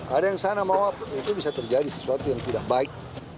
ada yang sana mau apa itu bisa terjadi sesuatu yang tidak baik